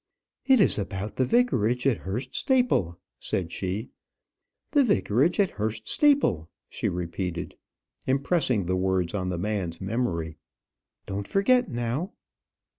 "It is about the vicarage at Hurst Staple," said she; "the vicarage at Hurst Staple," she repeated, impressing the words on the man's memory. "Don't forget, now."